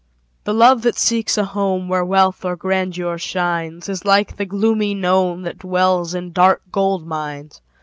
The love that seeks a home Where wealth or grandeur shines, Is like the gloomy gnome, That dwells in dark gold mines.